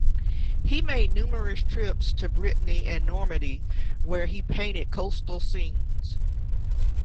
He made numerous trips to Brittany and Normandy, where he painted coastal scenes.